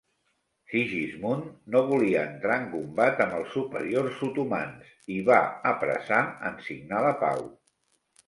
Sigismund no volia entrar en combat amb els superiors otomans i va apressar en signar la pau.